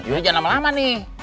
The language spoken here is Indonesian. jangan lama lama nih